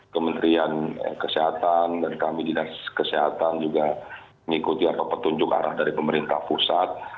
kementerian kesehatan dan kami dinas kesehatan juga mengikuti apa petunjuk arah dari pemerintah pusat